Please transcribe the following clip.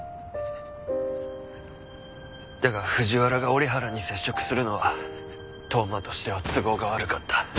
だが藤原が折原に接触するのは当麻としては都合が悪かった。